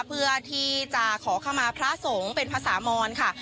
เพื่อที่จะขอเข้ามาพระสงฆ์เป็นภาษามรค่ะ